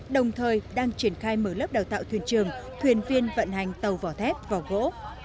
đồng thời đang triển khai mở lớp đào tạo thuyền trường thuyền viên vận hành tàu vỏ thép vỏ gỗ